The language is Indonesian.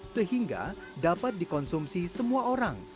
sehingga dapat dikonsumsi semua orang